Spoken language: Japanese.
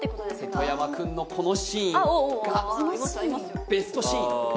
瀬戸山君のこのシーンがベストシーン